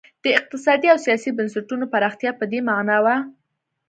د اقتصادي او سیاسي بنسټونو پراختیا په دې معنا وه.